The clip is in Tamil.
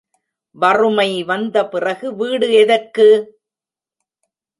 வறுமை வந்த பிறகு வீடு எதற்கு?